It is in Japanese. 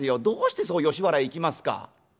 どうしてそう吉原へ行きますか」。